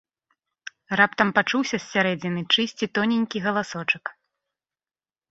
Раптам пачуўся з сярэдзіны чыйсьці тоненькі галасочак: